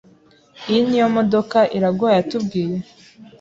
Iyi niyo modoka Iraguha yatubwiye?